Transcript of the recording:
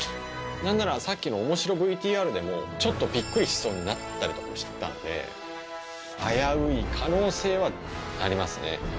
なんなら、さっきの面白ＶＴＲでも、ちょっとびっくりしそうになったりしてたんで、危うい可能性はありますね。